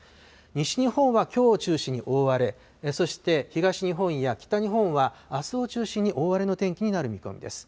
西日本はきょうを中心に大荒れ、そして東日本や北日本はあすを中心に大荒れの天気になる見込みです。